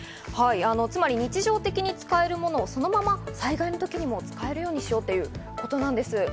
つまり日常的に使えるものをそのまま災害の時にも使えるようにしようということなんです。